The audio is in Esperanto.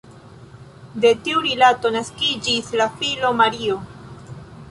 De tiu rilato naskiĝis la filo Mario.